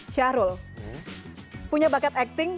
syahrul punya bakat acting